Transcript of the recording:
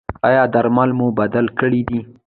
ایا درمل مو بدل کړي دي؟